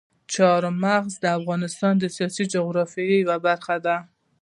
چار مغز د افغانستان د سیاسي جغرافیې یوه برخه ده.